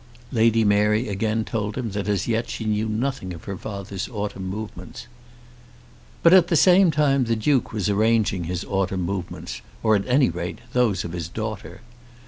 Lady Mary again told him that as yet she knew nothing of her father's autumn movements. But at the same time the Duke was arranging his autumn movements, or at any rate those of his daughter.